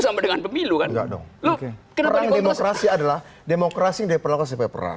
sama dengan pemilu kan lo kerana demokrasi adalah demokrasi diperlakukan sebagai perang